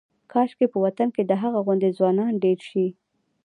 کاشکې په وطن کې د هغه غوندې ځوانان ډېر شي.